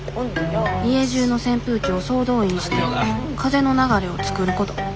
家じゅうの扇風機を総動員して風の流れを作ること